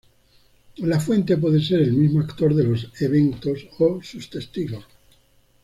La fuente puede ser el mismo actor de los eventos o sus testigos.